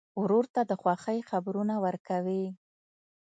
ورور ته د خوښۍ خبرونه ورکوې.